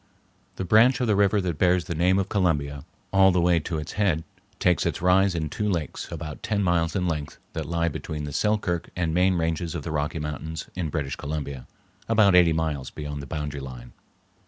The branch of the river that bears the name of Columbia all the way to its head takes its rise in two lakes about ten miles in length that lie between the Selkirk and main ranges of the Rocky Mountains in British Columbia, about eighty miles beyond the boundary line.